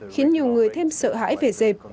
khiến nhiều người thêm sợ hãi về dẹp